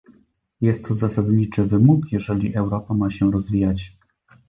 Jest to zasadniczy wymóg, jeżeli Europa ma się rozwijać